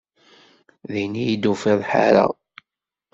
Din iyi-d tufiḍ ḥareɣ.